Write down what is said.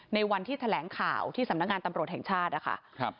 ในวันที่แถลงข่าวที่สำนักงานตำรวจแห่งชาตินะคะ